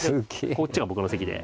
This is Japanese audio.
こっちが僕の席で。